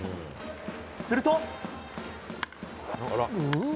すると。